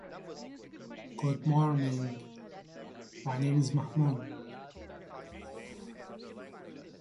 However, chloramine appears to be a corrosive agent in some water systems.